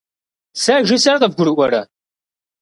Сэ жысӏэр къывгурыӏуэрэ?